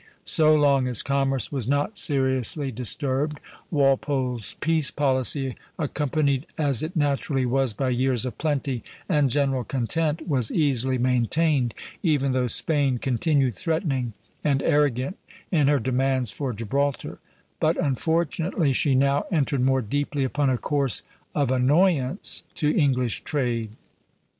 So long as commerce was not seriously disturbed, Walpole's peace policy, accompanied as it naturally was by years of plenty and general content, was easily maintained, even though Spain continued threatening and arrogant in her demands for Gibraltar; but unfortunately she now entered more deeply upon a course of annoyance to English trade.